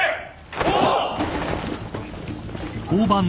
おう！